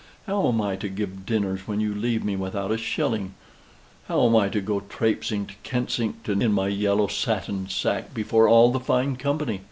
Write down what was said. How am I to give dinners when you leave me without a shilling? How am I to go traipsing to Kensington in my yellow satin sack before all the fine company?